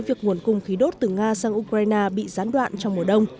việc nguồn cung khí đốt từ nga sang ukraine bị gián đoạn trong mùa đông